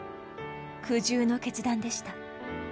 苦渋の決断でした。